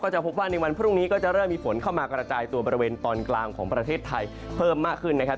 จะพบว่าในวันพรุ่งนี้ก็จะเริ่มมีฝนเข้ามากระจายตัวบริเวณตอนกลางของประเทศไทยเพิ่มมากขึ้นนะครับ